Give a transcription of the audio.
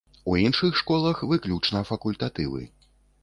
У іншых школах выключна факультатывы.